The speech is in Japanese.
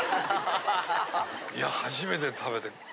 いや初めて食べて。